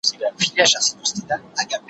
کلاله، وکه خپله سياله.